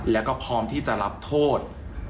แล้วก็พร้อมที่จะรับโทษ